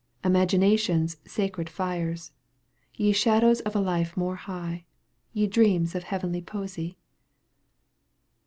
Imagination's sacred fires. Ye shadows of a life more high. Ye dreams of heavenly poesy